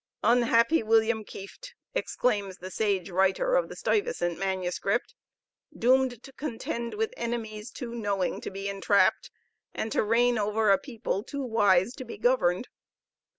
Unhappy William Kieft! exclaims the sage writer of the Stuyvesant manuscript, doomed to contend with enemies too knowing to be entrapped, and to reign over a people too wise to be governed.